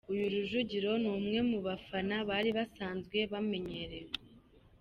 Uyu Rujugiro ni umwe mu bafana bari basanzwe bamenyerewe.